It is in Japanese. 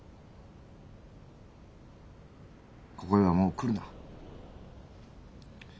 ここへはもう来るな。